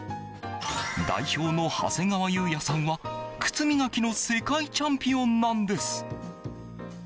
代表の長谷川裕也さんは靴磨きの世界チャンピオンなんです！